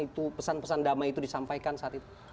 itu pesan pesan damai itu disampaikan saat itu